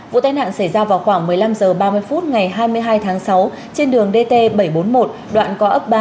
vụ tai nạn xảy ra vào khoảng một mươi năm h ba mươi phút ngày hai mươi hai tháng sáu trên đường dt bảy trăm bốn mươi một đoạn có ấp ba